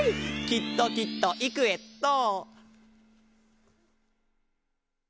きっときっといくエット！